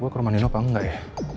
gue ke rumah nino apa enggak ya